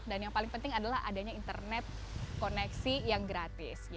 dan yang paling penting adalah adanya internet koneksi yang gratis